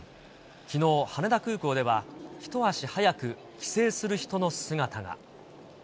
きのう、羽田空港では一足早く帰省する人の姿が。